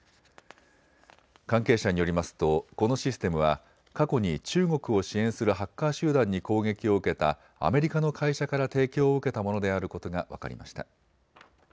関係者によりますとこのシステムは過去に中国を支援するハッカー集団に攻撃を受けたアメリカの会社から提供を受けたものであることが分かりました。